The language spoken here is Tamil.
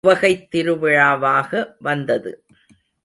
உவகைத் திருவிழாவாக வந்தது.